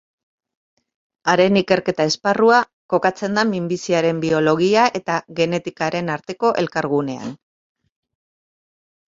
Haren ikerketa-esparrua kokatzen da Minbiziaren Biologia eta Genetikaren arteko elkargunean.